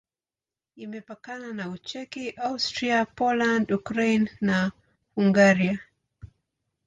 Imepakana na Ucheki, Austria, Poland, Ukraine na Hungaria.